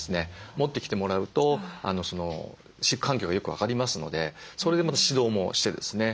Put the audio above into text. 持ってきてもらうと飼育環境がよく分かりますのでそれでまた指導もしてですね